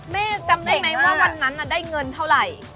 แม่จำได้ไหมว่าวันนั้นได้เงินเท่าไหร่